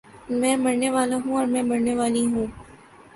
میں مرنے والا ہوں اور میں مرنے والی ہوں